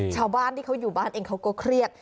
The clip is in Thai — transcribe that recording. ชาวบ้านที่เขาอยู่บ้านเองเขาก็เครียด